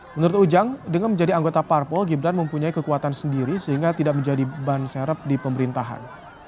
menurut ujang dengan menjadi anggota parpol gibran mempunyai kekuatan sendiri sehingga tidak menjadi ban serep di pemerintahan